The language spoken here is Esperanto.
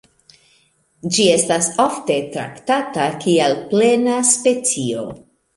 Ĝi estas ofte traktata kiel plena specio.